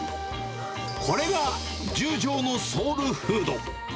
これが十条のソウルフード。